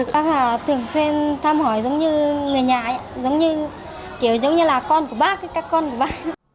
bác hà thường xem thăm hỏi giống như người nhà giống như là con của bác các con của bác